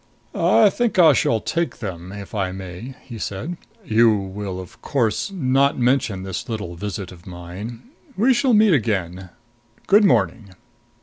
"I think I shall take them if I may," he said. "You will, of course, not mention this little visit of mine. We shall meet again. Good morning."